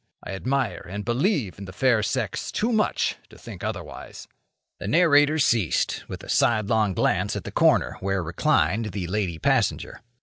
I admire and believe in the fair sex too much to think otherwise." The narrator ceased, with a sidelong glance at the corner where reclined the lady passenger.